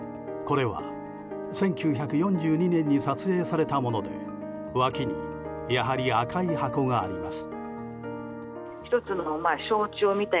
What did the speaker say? １９４２年に撮影されたもので脇にやはり赤い箱があります。